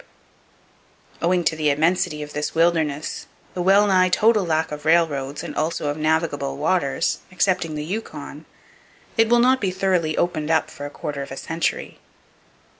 [Page 163] Owing to the immensity of this wilderness, the well nigh total lack of railroads and also of navigable waters, excepting the Yukon, it will not be thoroughly "opened up" for a quarter of a century.